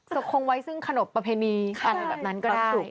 ก็คงไว้ซึ่งขนบประเพณีอะไรแบบนั้นก็ได้